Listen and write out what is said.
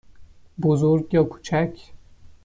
بزرگ یا کوچک؟